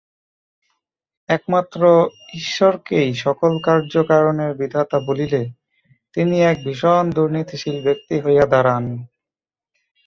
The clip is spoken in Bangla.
একমাত্র ঈশ্বরকেই সকল কার্য কারণের বিধাতা বলিলে তিনি এক ভীষণ দুর্নীতিশীল ব্যক্তি হইয়া দাঁড়ান।